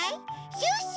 シュッシュ！